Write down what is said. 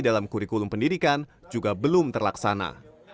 dalam kurikulum pendidikan juga belum terlaksana